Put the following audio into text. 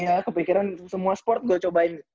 ya kepikiran semua sport gue cobain